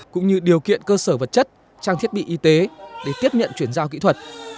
cũng như điều kiện cơ sở vật chất trang thiết bị y tế để tiếp nhận chuyển giao kỹ thuật